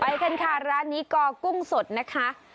ไปกันค่ะร้านนี้กอกุ้งสดนะคะ